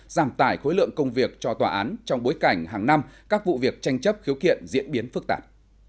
giảm tải khối lượng công việc cho tòa án trong bối cảnh hàng năm các vụ việc tranh chấp khiếu kiện diễn biến phức tạp